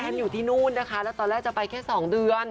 อยู่ที่นู่นนะคะแล้วตอนแรกจะไปแค่๒เดือน